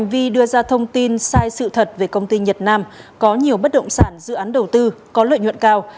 vì đưa ra thông tin sai sự thật về công ty nhật nam có nhiều bất động sản dự án đầu tư có lợi nhuận cao